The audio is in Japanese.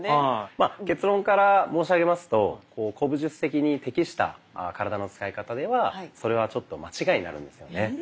まあ結論から申し上げますと古武術的に適した体の使い方ではそれはちょっと間違いになるんですよね。